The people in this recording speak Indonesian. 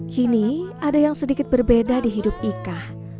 kini ada yang sedikit berbeda di hidup ika